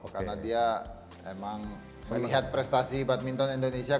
karena dia emang melihat prestasi badminton indonesia